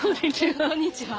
こんにちは。